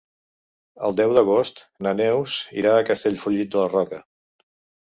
El deu d'agost na Neus irà a Castellfollit de la Roca.